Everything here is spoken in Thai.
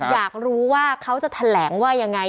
อยากรู้ว่าเขาจะแถลงว่ายังไง